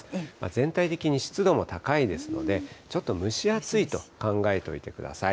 全体的に湿度も高いですので、ちょっと蒸し暑いと考えといてください。